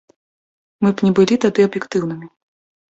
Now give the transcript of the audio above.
Мы б не былі тады аб'ектыўнымі.